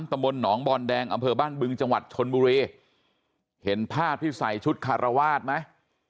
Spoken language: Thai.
ตำบลหนองบอนแดงอำเภอบ้านบึงจังหวัดชนบุรีเห็นภาพที่ใส่ชุดคารวาสไหม